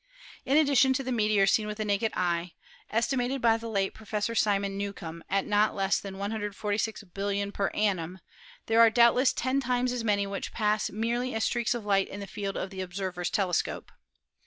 In addition to the meteors seen with the naked eye, estimated by the late Professor Simon Newcomb at not less than 146 billion per annum, there are doubtless ten times as many which pass merely as streaks of light in the field of the observer's telescope.